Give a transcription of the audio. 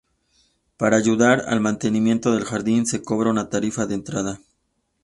Para ayudar al mantenimiento del jardín, se cobra una tarifa de entrada.